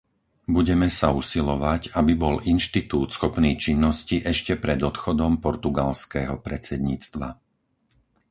Budeme sa usilovať, aby bol inštitút schopný činnosti ešte pred odchodom portugalského predsedníctva.